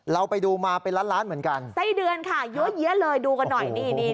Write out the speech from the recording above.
เราไปดูมาเป็นร้านเหมือนกันไส้เดือนค่ะยั่วเหยียะเลยดูกันหน่อย